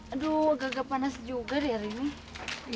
aduh agak agak panas juga di hari ini